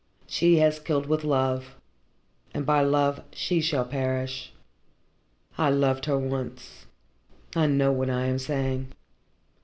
She has killed with love, and by love she shall perish. I loved her once. I know what I am saying."